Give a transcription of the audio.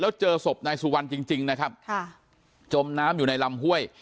แล้วเจอศพนายสุวรรณจริงนะครับค่ะจมน้ำอยู่ในลำห้วย